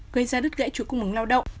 gây ra đứt gãy chuỗi cung mứng lao động